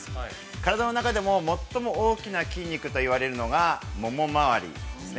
体の中でも最も大きな筋肉といわれるのが、モモ回りですね。